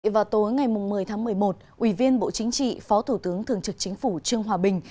vào tối ngày một mươi tháng một mươi một ủy viên bộ chính trị phó thủ tướng thường trực chính phủ trương hòa bình